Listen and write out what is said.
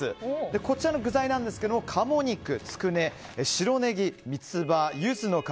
こちらの具材ですが鴨肉、つくね、白ネギ、三つ葉ユズの皮。